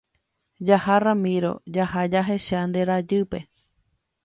Jaha Ramiro, jaha jahecha nde jarýipe.